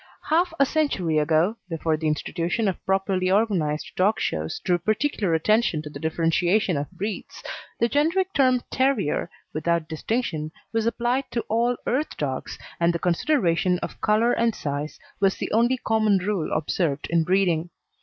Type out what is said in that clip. Half a century ago, before the institution of properly organised dog shows drew particular attention to the differentiation of breeds, the generic term "terrier" without distinction was applied to all "earth dogs," and the consideration of colour and size was the only common rule observed in breeding.